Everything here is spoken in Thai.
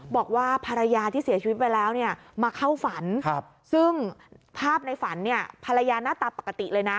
บอกว่าภรรยาที่เสียชีวิตไปแล้วเนี่ยมาเข้าฝันซึ่งภาพในฝันเนี่ยภรรยาหน้าตาปกติเลยนะ